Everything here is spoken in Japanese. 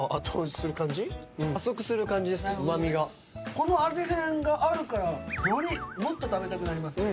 この味変があるからもっと食べたくなりますね。